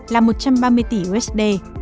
là một trăm ba mươi tỷ usd